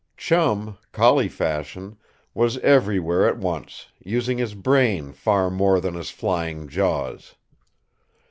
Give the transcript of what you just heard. Chum collie fashion was everywhere at once, using his brain far more than his flying jaws.